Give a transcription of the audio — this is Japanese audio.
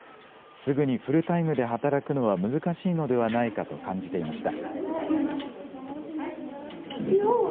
すぐにフルタイムで働くのは難しいのではないかと感じていました。